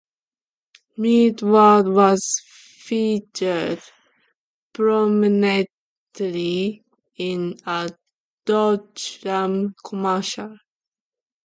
Meatwad was featured prominently in a Dodge Ram commercial.